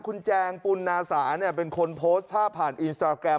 คุณแจงปุณนาสาเป็นคนโพสต์ภาพผ่านอินสตราแกรม